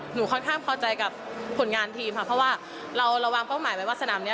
หนูค่อนข้างพอใจกับผลงานทีมค่ะเพราะว่าเราวางเป้าหมายไว้ว่าสนามนี้